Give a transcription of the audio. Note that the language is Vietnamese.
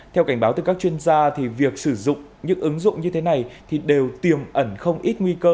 theo cảnh báo từ các chuyên gia việc sử dụng những ứng dụng như thế này thì đều tiềm ẩn không ít nguy cơ